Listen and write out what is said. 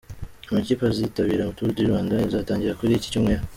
Amakipe azitabira Tour du Rwanda izatangira kuri iki Cyumweru.